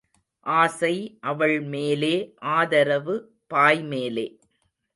ஆசை அவள் மேலே ஆதரவு பாய் மேலே.